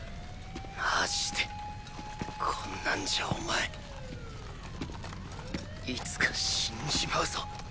マジでこんなんじゃお前いつか死んじまうぞ